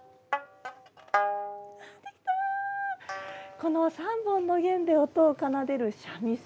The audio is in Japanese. この３本の弦で音を奏でる三味線。